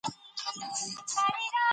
د مشرانو درناوی يې تل ساته.